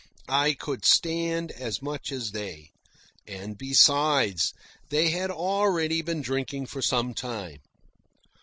I could stand as much as they; and besides, they had already been drinking for some time.